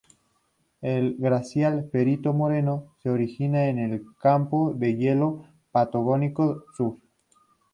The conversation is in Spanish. El glaciar Perito Moreno se origina en el campo de hielo Patagónico Sur.